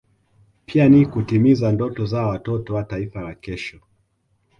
pia ni kutimiza ndoto za watoto wa Taifa la kesho